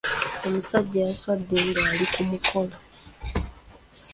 Omusajja yaswadde ng'ali ku mukolo.